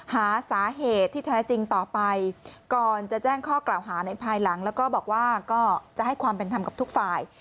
หาสาเหตุที่แท้จริงต่อไปก่อนจะแจ้งข้อกล่าวหาในภายหลังแล้วก็บอกว่าก็จะให้ความเป็นธรรมกับทุกฝ่าย